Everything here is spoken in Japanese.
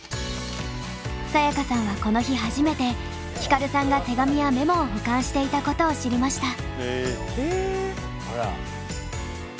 サヤカさんはこの日初めてヒカルさんが手紙やメモを保管していたことを知りました。